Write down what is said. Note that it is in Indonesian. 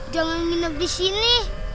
jangan nginep disini